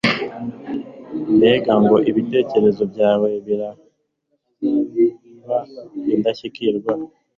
Mbega ngo ibitekerezo byawe biraba indashyikirwa